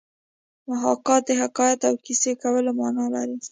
محاکات د حکایت او کیسه کولو مانا لري